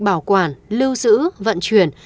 bảo quản lưu giữ vận chuyển